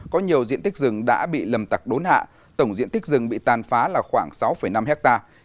có nhiều diện tích rừng đã bị lâm tặc đốn hạ tổng diện tích rừng bị tàn phá là khoảng sáu năm hectare